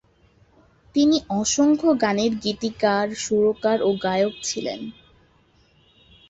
তিনি অসংখ্য গানের গীতিকার, সুরকার ও গায়ক ছিলেন।